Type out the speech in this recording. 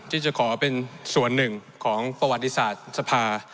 ที่จะขอเป็นส่วนหนึ่งของประวัติศาสตร์สภา